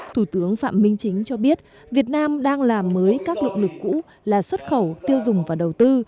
thủ tướng phạm minh chính cho biết việt nam đang làm mới các động lực cũ là xuất khẩu tiêu dùng và đầu tư